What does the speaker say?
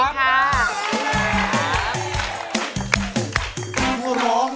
เยี่ยมมากดีใจดิครับ